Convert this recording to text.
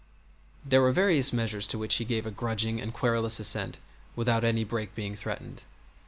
There were various measures to which he gave a grudging and querulous assent without any break being threatened.